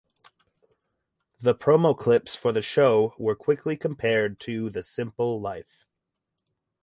The promo clips for the show were quickly compared to "The Simple Life".